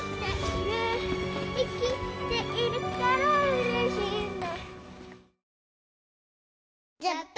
いきているからうれしいんだ